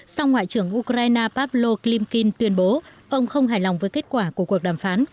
sau ngoại trưởng ukraine pavlo klimkin tuyên bố ông không hài lòng với kết quả của cuộc đàm phán